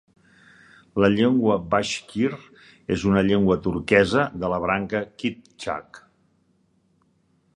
La llengua bashkir és una llengua turquesa de la branca kiptxak.